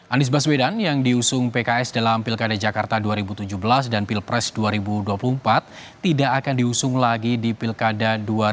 anies baswedan yang diusung pks dalam pilkada jakarta dua ribu tujuh belas dan pilpres dua ribu dua puluh empat tidak akan diusung lagi di pilkada dua ribu tujuh belas